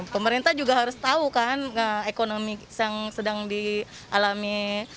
pemerintah juga harus tahu kan ekonomi yang sedang dialami